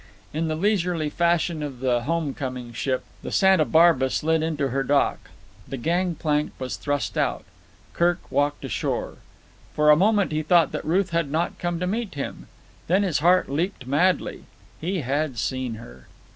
In the leisurely fashion of the home coming ship the Santa Barbara slid into her dock. The gangplank was thrust out. Kirk walked ashore. For a moment he thought that Ruth had not come to meet him. Then his heart leaped madly. He had seen her.